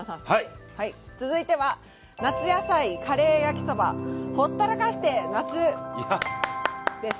続いては「夏野菜カレー焼きそばほったらかして夏」です。